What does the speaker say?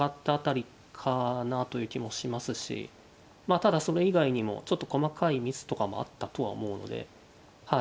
ただそれ以外にもちょっと細かいミスとかもあったとは思うのではい。